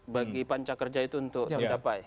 bagi panca kerja itu untuk tercapai